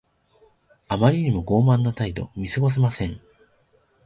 あまりにも傲慢な態度。見過ごせません。